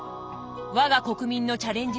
我が国民のチャレンジ